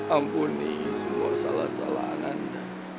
ampuni semua salah salah ananda